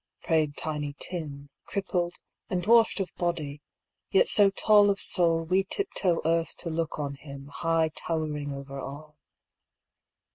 " prayed Tiny Tim, Crippled, and dwarfed of body, yet so tall Of soul, we tiptoe earth to look on him, High towering over all.